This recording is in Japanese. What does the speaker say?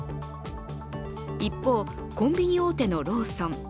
一方、コンビニ大手のローソン。